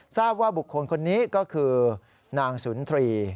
ทราบว่าบุคคลคนนี้ก็คือนางสุนทรีย์